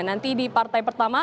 nanti di partai pertama